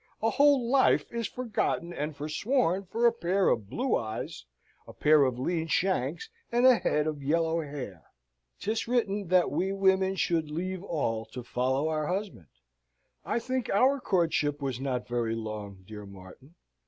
A whole life is forgotten and forsworn for a pair of blue eyes, a pair of lean shanks, and a head of yellow hair." "'Tis written that we women should leave all to follow our husband. I think our courtship was not very long, dear Martin!"